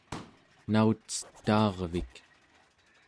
naucetaarvik